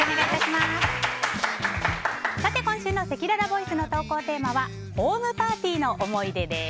今週のせきららボイスの投稿テーマはホームパーティーの思い出です。